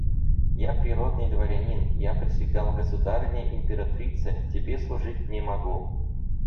– Я природный дворянин; я присягал государыне императрице: тебе служить не могу.